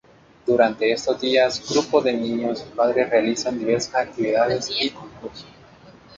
Durante estos días grupos de niños y padres realizan diversas actividades y concursos.